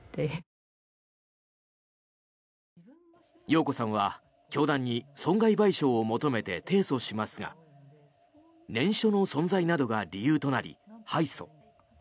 容子さんは教団に損害賠償を求めて提訴しますが念書の存在などが理由となり敗訴。